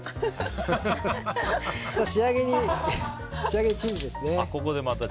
仕上げにチーズですね。